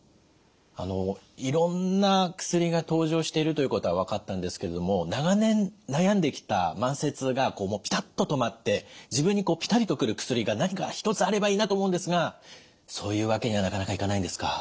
いろんな薬が登場しているということは分かったんですけれども長年悩んできた慢性痛がもうピタッと止まって自分にピタリと来る薬が何か一つあればいいなと思うんですがそういうわけにはなかなかいかないんですか？